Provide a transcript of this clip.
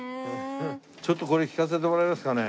ちょっとこれ聴かせてもらえますかね？